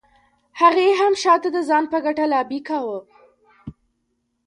هغې هم شاته د ځان په ګټه لابي کاوه.